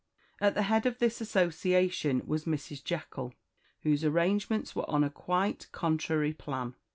At the head of this association was Mrs. Jekyll, whose arrangements were on a quite contrary plan.